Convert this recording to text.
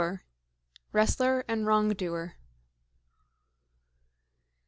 WRESTLER AND WRONG DOER.